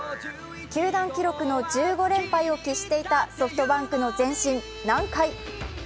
球団記録の１５連敗を喫していたソフトバンクの前身、南海。